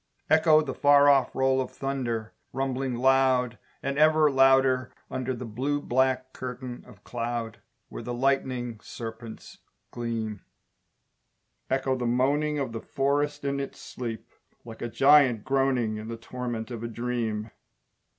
Echo the far off roll of thunder, Rumbling loud And ever louder, under The blue black curtain of cloud, Where the lightning serpents gleam, Echo the moaning Of the forest in its sleep Like a giant groaning In the torment of a dream.